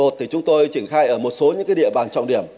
thì chúng tôi triển khai ở một số những địa bàn trọng điểm